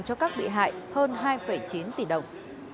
cho các bị hại hơn hai chín tỷ đồng